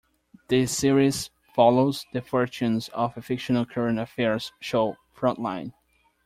The series follows the fortunes of a fictional current affairs show, "Frontline".